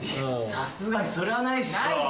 さすがにそれはないっしょ。